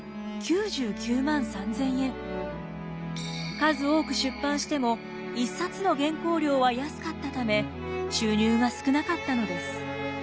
数多く出版しても１冊の原稿料は安かったため収入が少なかったのです。